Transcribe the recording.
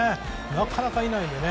なかなかいないので。